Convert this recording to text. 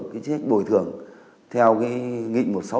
cái chế độ ính sách bồi thường theo nghị một trăm sáu mươi chín trước đây